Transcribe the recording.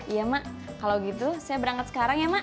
iya mak kalau gitu saya berangkat sekarang ya mak